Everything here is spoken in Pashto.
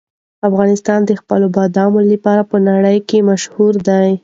افغانستان د خپلو بادامو لپاره په نړۍ کې مشهور دی.